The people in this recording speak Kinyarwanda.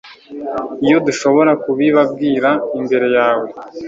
iyo dushobora kubibabwira imbere yawe